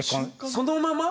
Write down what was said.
そのまま。